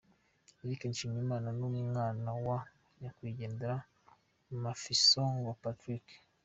Eric Nshimiyimana n'umwana wa Nyakwigendera Mafisango Patrick.